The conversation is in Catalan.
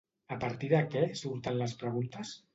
A partir de què surten les preguntes?